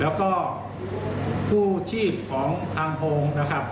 แล้วก็ผู้ชีพของทางโพง